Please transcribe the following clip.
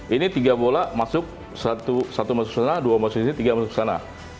ini tiga bola masuk satu masuk ke sana dua masuk ke sini tiga masuk ke sana